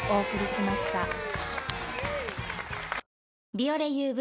「ビオレＵＶ」